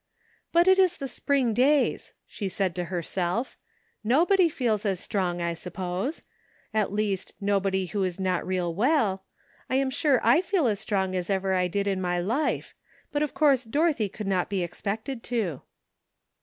"But it is the spring days," she said to herself. ''Nobody feels as strong, ANOTHER '' SIDE TBACK." '6^7 I suppose ; at least nobody who is not real well. I am sure I feel as strong as I ever did in my life, but of course Dorothy could not be expected to."